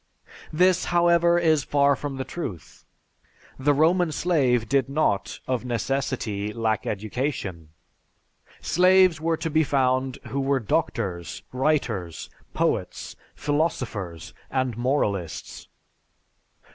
This, however, is far from the truth. The Roman slave did not, of necessity, lack education. Slaves were to be found who were doctors, writers, poets, philosophers, and moralists.